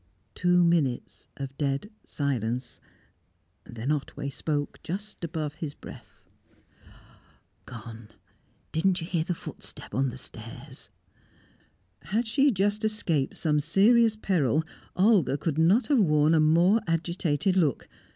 Two minutes of dead silence; then Otway spoke just above his breath. "Gone! Didn't you hear the footstep on the stairs?" Had she just escaped some serious peril, Olga could not have worn a more agitated look.